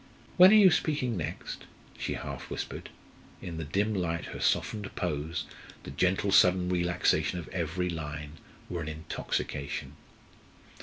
"When are you speaking next?" she half whispered. In the dim light her softened pose, the gentle sudden relaxation of every line, were an intoxication.